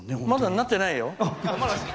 まだなってないよ！